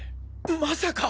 まさか！